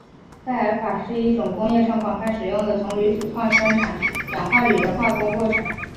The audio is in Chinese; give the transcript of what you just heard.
拜耳法是一种工业上广泛使用的从铝土矿生产氧化铝的化工过程。